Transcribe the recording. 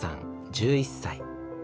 １１歳。